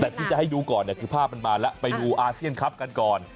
แต่ที่จะให้ดูก่อนเนี่ยคือภาพมันมาแล้วไปดูอาเซียนคลับกันก่อน